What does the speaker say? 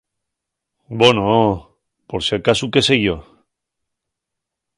Bono ho, por si acasu qué sé yo.